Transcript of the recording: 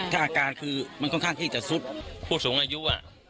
ถ้าอาการคือมันค่อนข้างที่จะสุดผู้สูงอายุ